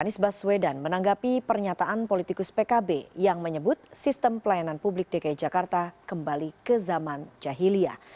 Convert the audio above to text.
anies baswedan menanggapi pernyataan politikus pkb yang menyebut sistem pelayanan publik dki jakarta kembali ke zaman jahilia